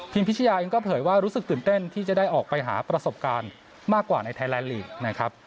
พิชยาเองก็เผยว่ารู้สึกตื่นเต้นที่จะได้ออกไปหาประสบการณ์มากกว่าในไทยแลนดลีกนะครับ